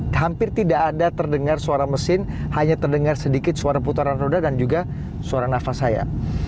hampir tidak ada terdengar suara mesin hanya terdengar sedikit suara putaran roda dan juga suara nafas saya